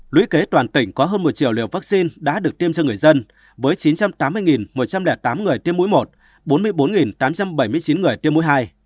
lũy kế toàn tỉnh có hơn một triệu liều vaccine đã được tiêm cho người dân với chín trăm tám mươi một trăm linh tám người tiêm mũi một bốn mươi bốn tám trăm bảy mươi chín người tiêm mũi hai